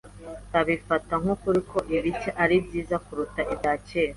Babifata nk'ukuri ko ibishya ari byiza kuruta ibya kera.